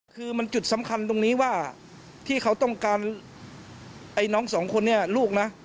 คือมันจุดสำคัญตรงนี้ว่าที่เขาต้องการไอ้น้องสองคนเนี่ยลูกนะ